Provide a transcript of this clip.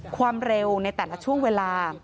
ความเร็วในแต่ละช่วงเวลา